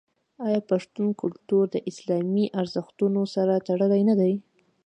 آیا پښتون کلتور د اسلامي ارزښتونو سره تړلی نه دی؟